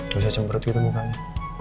gak usah cemberut gitu mukanya